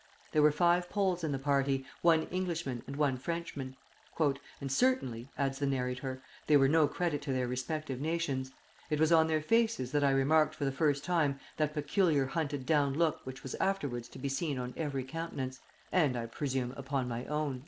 There were five Poles in the party, one Englishman, and one Frenchman; "and certainly," adds the narrator, "they were no credit to their respective nations. It was on their faces that I remarked for the first time that peculiar hunted down look which was afterwards to be seen on every countenance, and I presume upon my own."